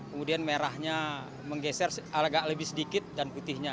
kemudian merahnya menggeser agak lebih sedikit dan putihnya